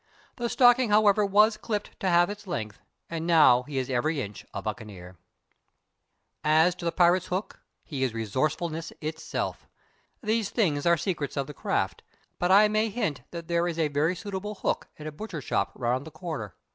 The stocking, however, was clipped to half its length, and now he is every inch a buccaneer. As for the captain's hook, he is resourcefulness itself. These things are secrets of the craft, but I may hint that there is a very suitable hook in a butchershop around the corner.